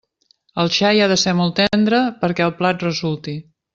El xai ha de ser molt tendre perquè el plat resulti.